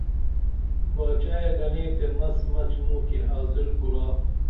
باچائے گنئے تے مس مچ موکی حاضر کُرا